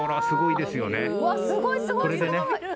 すごいですよね！